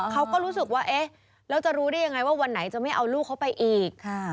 เขาก็รู้สึกว่าเอ๊ะแล้วจะรู้ได้ยังไงว่าวันไหนจะไม่เอาลูกเขาไปอีก